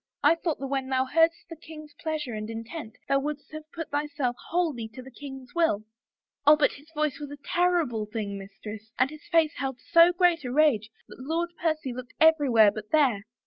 I thought that when thou heardest the. king's pleasure and intent thou wouldest have put thyself wholly to the king's will.' Oh, but his voice was a ter rible thing, mistress, and his face held so great a rage that Lord Percy looked ever)rwhere but there.